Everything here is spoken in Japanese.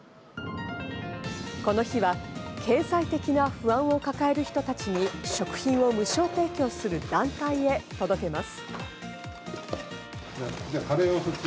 この日は経済的な不安を抱える人たちに食品を無償提供する団体へ届けます。